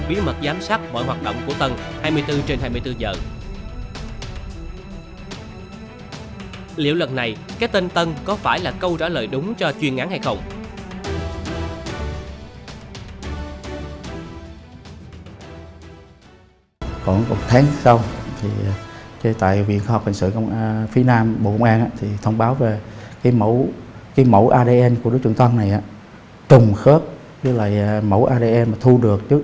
bí mật giám sát mọi hoạt động của tân hai mươi bốn trên hai mươi bốn giờ